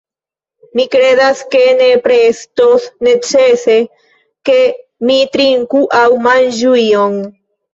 Mi kredas ke nepre estos necese ke mi trinku aŭ manĝu ion.